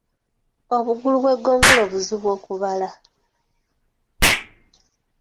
Obugulu bw’eggongolo buzibu okubala.